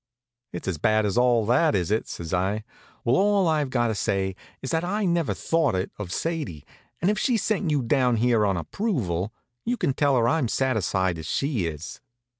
"It's as bad as all that, is it?" says I. "Well, all I've got to say is that I'd never thought it of Sadie; and if she sent you down here on approval, you can tell her I'm satisfied if she is."